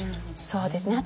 そうですね。